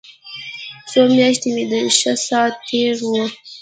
څو مياشتې مې ښه ساعت تېر و.